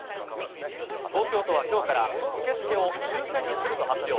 東京都はきょうから受け付けを抽せんにすると発表。